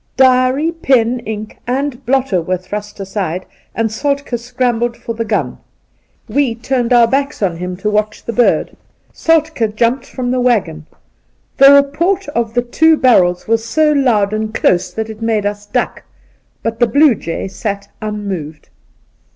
Diary, pen, ink and blotter were thrust aside, and Soltk6 scrambled for the gun. We turned our backs on him to watch the bird. Soltk^ jumped from the waggon. The report of the two barrels was so loud and close that it made us duck ; but the blue jay sat unmoved.